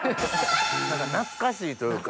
何か懐かしいというか。